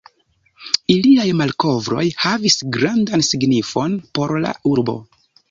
Iliaj malkovroj havis grandan signifon por la urbo.